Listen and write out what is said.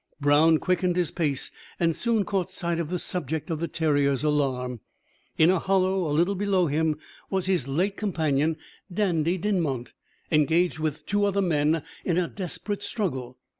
Brown quickened his pace, and soon caught sight of the subject of the terrier's alarm. In a hollow, a little below him, was his late companion Dandie Dinmont, engaged with two other men in a desperate struggle.